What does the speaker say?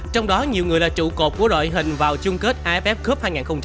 trong đó nhiều người là trụ cột của đội hình vào chung kết aff cup hai nghìn hai mươi